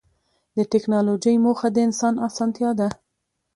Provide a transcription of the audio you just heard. د ټکنالوجۍ موخه د انسان اسانتیا ده.